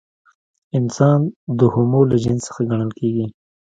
انسان د هومو له جنس څخه ګڼل کېږي.